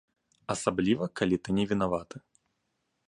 Асабліва, калі ты не вінаваты.